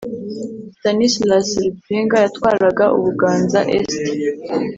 Stanislasi Rutsinga yatwaraga Ubuganza-Est.